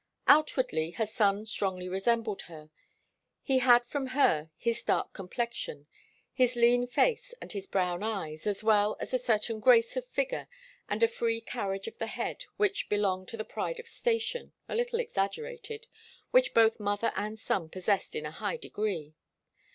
Outwardly, her son strongly resembled her. He had from her his dark complexion, his lean face and his brown eyes, as well as a certain grace of figure and a free carriage of the head which belong to the pride of station a little exaggerated which both mother and son possessed in a high degree.